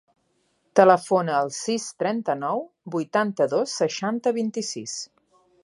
Telefona al sis, trenta-nou, vuitanta-dos, seixanta, vint-i-sis.